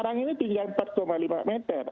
sekarang ini tinggal empat lima meter